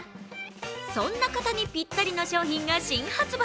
そんな方にぴったりの商品が新発売。